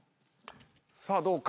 さあどうか？